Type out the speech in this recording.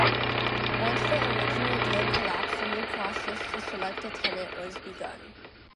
Once the original deal collapsed a new process to select a tenant was begun.